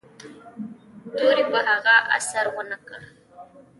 تورې په هغه اثر و نه کړ.